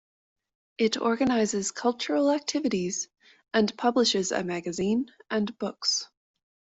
It organizes cultural activities and publishes a magazine and books.